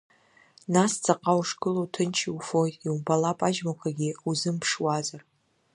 Нас ҵаҟа ушгылоу, ҭынч иуфоит, иубалап аџьмақәагьы узымԥшуазар.